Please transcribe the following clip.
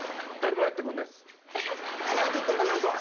それはちょっと皆さん。